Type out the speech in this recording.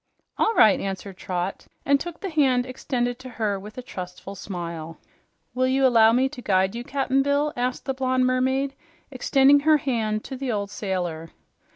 "All right," answered Trot, and took the hand extended to her with a trustful smile. "Will you allow me to guide you, Cap'n Bill?" asked the blonde mermaid, extending her hand to the old sailor.